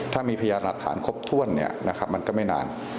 ถ้ามีพยานหลักฐานครบถ้วนมันก็ไม่นาน